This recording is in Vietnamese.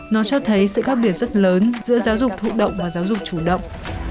nó cho thấy sự khác biệt rất lớn giữa giáo dục thụ động và giáo dục chủ động